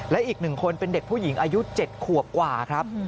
และอีก๑คนเป็นเด็กผู้หญิงอายุ๗ขวบกว่าครับ